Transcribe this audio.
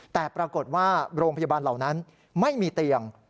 แต่ปรากฏว่าโรงพยาบาลเหล่านั้นไม่มีเตียง